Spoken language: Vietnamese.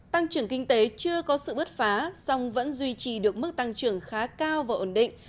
tăng trưởng kinh tế chưa có sự bứt phá song vẫn duy trì được mức tăng trưởng khá cao và ổn định